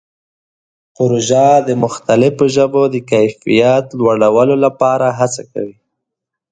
پروژه د مختلفو ژبو د کیفیت لوړولو لپاره هڅه کوي.